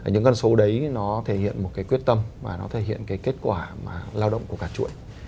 những con số đấy nó thể hiện một cái quyết tâm và nó thể hiện cái kết quả mà lao động của cả chuỗi